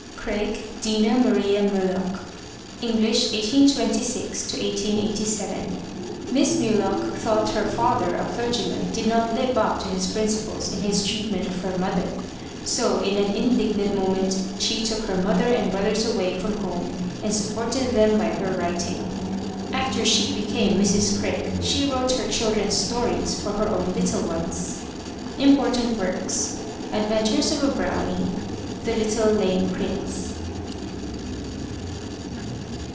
CRAIK, DINAH MARIA MULOCH (English, 1826 1887) Miss Muloch thought her father, a clergyman, did not live up to his principles in his treatment of her mother. So in an indignant moment, she took her mother and brothers away from home and supported them by her writing. After she became Mrs. Craik she wrote her children's stories for her own Uttle ones. Important Works: Adventures of a Brownie. The Little Lame Prince.